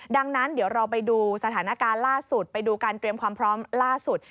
ดังนั้นเดี๋ยวเราไปดูสถานการณ์ล่าสุดไปดูการเตรียมความพร้อมล่าสุด